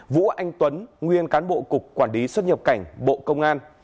vũ anh tuấn nguyên cán bộ cục quản lý xuất nhập cảnh bộ công an